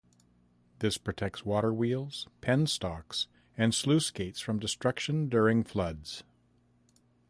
This protects water wheels, penstocks, and sluice gates from destruction during floods.